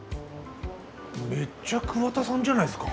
めっちゃ桑田さんじゃないですか。